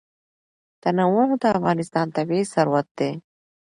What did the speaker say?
تنوع د افغانستان طبعي ثروت دی.